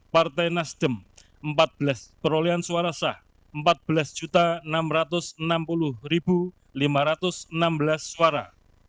lima partai nasdem perolehan suara sah empat belas enam ratus enam puluh enam suara